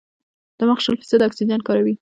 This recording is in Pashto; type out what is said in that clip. دماغ شل فیصده اکسیجن کاروي.